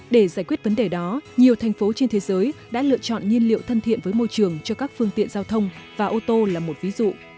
để giải quyết vấn đề đó nhiều thành phố trên thế giới đã lựa chọn nhiên liệu thân thiện với môi trường cho các phương tiện giao thông và ô tô là một ví dụ